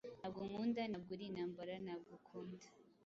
Ntabwo unkunda! ntabwo uri intambara, ntabwo ukunda!